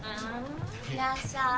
いらっしゃい。